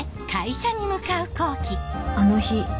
あの日